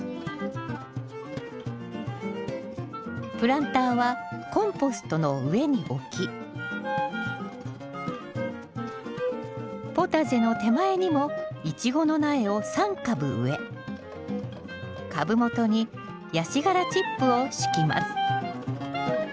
プランターはコンポストの上に置きポタジェの手前にもイチゴの苗を３株植え株元にヤシ殻チップを敷きます